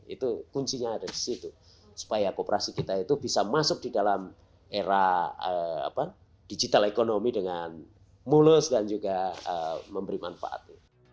itu kuncinya ada di situ supaya kooperasi kita itu bisa masuk di dalam era digital ekonomi dengan mulus dan juga memberi manfaat